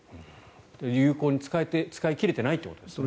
有効に使い切れていないということですね。